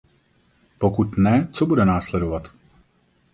Pokud ne, co bude následovat?